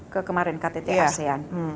ke kemarin ktt asean